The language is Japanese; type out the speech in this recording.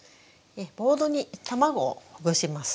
ボウルに卵をほぐします。